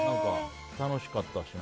楽しかったしな。